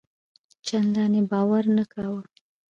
چنداني باور نه کاوه.